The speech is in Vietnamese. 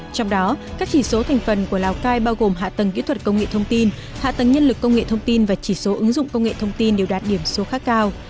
trong đó các chỉ số thành phần của lào cai bao gồm hạ tầng kỹ thuật công nghệ thông tin hạ tầng nhân lực công nghệ thông tin và chỉ số ứng dụng công nghệ thông tin đều đạt điểm số khá cao